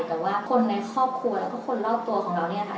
แต่ว่าคนในครอบครัวและคนรอบตัวเรา